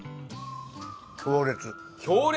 強烈！